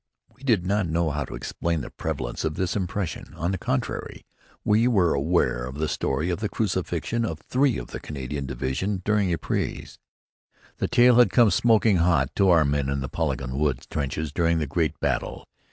We did not know how to explain the prevalence of this impression. On the contrary, we were aware of the story of the crucifixion of three of the Canadian Division during Ypres. The tale had come smoking hot to our men in the Polygon Wood trenches during the great battle.